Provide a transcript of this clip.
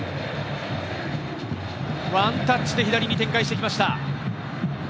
ワンタッチで左に展開していきました。